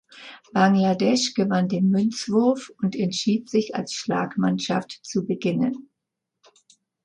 Bangladesch gewann den Münzwurf und entschied sich als Schlagmannschaft zu beginnen.